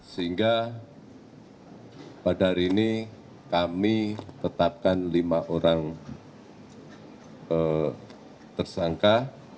sehingga pada hari ini kami tetapkan lima orang tersangka